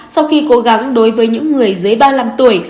sau khi cố gắng đối với những người dưới ba mươi năm tuổi